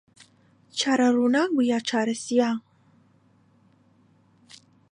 چارە ڕووناک بوو یا چارە سیا